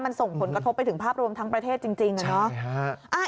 มันส่งผลกระทบไปถึงภาพรวมทั้งประเทศจริงอะเนาะ